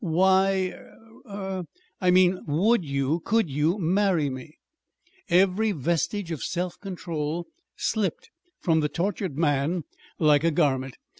"Why, er er " "I mean, would you could you marry me?" Every vestige of self control slipped from the tortured man like a garment.